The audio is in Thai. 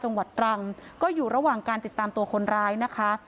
จังหวัดตรังก็อยู่ระหว่างการติดตามตัวคนร้ายนะคะ